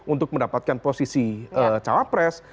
untuk mendapatkan posisi cawapres